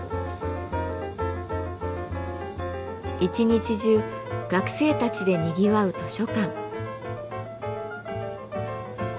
一日中学生たちでにぎわう図書館。